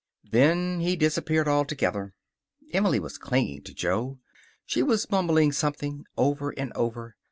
Then he disappeared altogether. Emily was clinging to Jo. She was mumbling something, over and over.